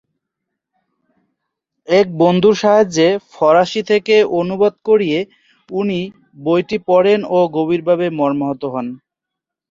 এক বন্ধুর সাহায্যে ফরাসি থেকে অনুবাদ করিয়ে উনি বইটি পড়েন ও গভীরভাবে মর্মাহত হন।